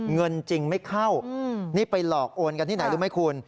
เงินจริงไม่เข้านี่ไปหลอกโอนกันที่ไหนรู้ไหมคุณ